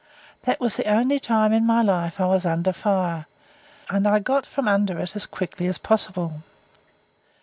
That was the only time in my life I was under fire, and I got from under it as quickly as possible.